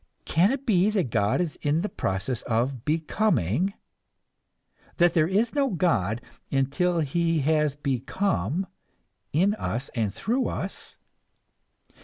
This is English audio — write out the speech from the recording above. Can it be that God is in process of becoming, that there is no God until he has become, in us and through us?